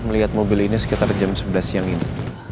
melihat mobil ini sekitar jam sebelas siang ini